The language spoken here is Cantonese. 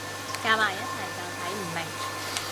夾埋一齊就睇唔明